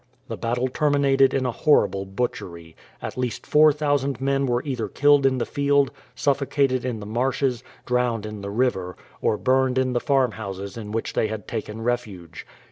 The battle terminated in a horrible butchery. At least 4000 men were either killed in the field, suffocated in the marshes, drowned in the river, or burned in the farmhouses in which they had taken refuge.